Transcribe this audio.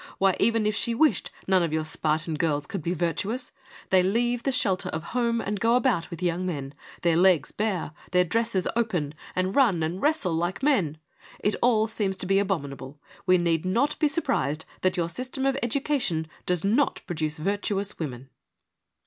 Why, even if she wished, none of your Spartan girls could be virtuous. They leave the shelter of home and go about with young men ; their legs bare, their dresses open ; and run and wrestle like men. It all seems to be abominable. We need not be surprised that your system of education does not produce virtuous women.'